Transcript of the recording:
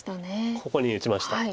ここに打ちました。